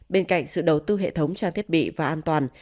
bên cạnh sự đầu tư hệ thống trang thiết bị và an toàn